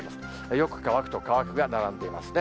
よく乾くと乾くが並んでいますね。